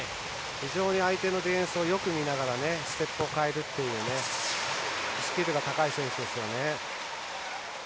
相手のディフェンスを見ながらステップを変えるというスキルが高い選手ですよね。